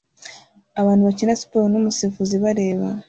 Abantu bakina siporo numusifuzi bareba